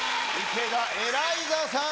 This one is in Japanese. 池田エライザさん。